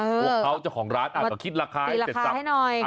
พวกเขาเจ้าของร้านอ่ะก็คิดราคาให้เจ็ดซักติดราคาให้หน่อย